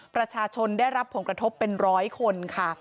ประชาชนได้รับผงประทบเป็น๑๐๐คน